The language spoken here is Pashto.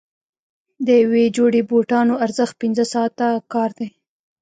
د یوې جوړې بوټانو ارزښت پنځه ساعته کار دی.